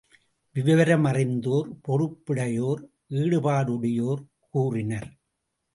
விவர மறிந்தோர், பொறுப்புடையோர், ஈடுபாடுடையோர் கூறினர்.